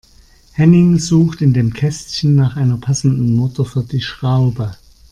Henning sucht in dem Kästchen nach einer passenden Mutter für die Schraube.